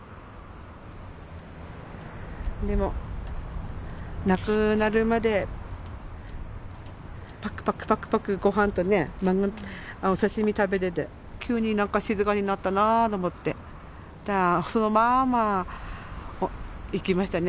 でも亡くなるまでパクパクパクパクごはんとねお刺身食べてて急に何か静かになったなと思ってじゃあそのまま逝きましたね。